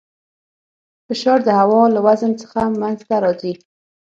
فشار د هوا له وزن څخه منځته راځي.